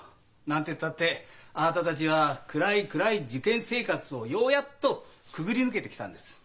何てったってあなたたちは暗い暗い受験生活をようやっとくぐり抜けてきたんです。